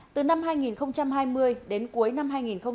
từ năm hai nghìn hai mươi đến cuối năm hai nghìn hai mươi